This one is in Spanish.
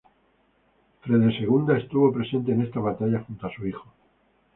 Fredegunda estuvo presente en esta batalla junto a su hijo.